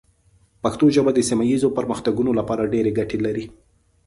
پښتو ژبه د سیمه ایزو پرمختګونو لپاره ډېرې ګټې لري.